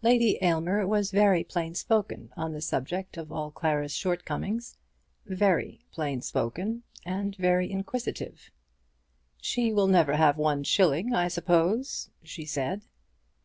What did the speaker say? Lady Aylmer was very plain spoken on the subject of all Clara's shortcomings, very plain spoken, and very inquisitive. "She will never have one shilling, I suppose?" she said.